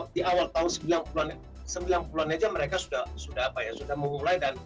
di awal tahun sembilan puluh an aja mereka sudah apa ya sudah memulai